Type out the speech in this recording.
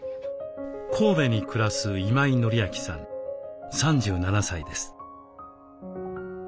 神戸に暮らす今井紀明さん３７歳です。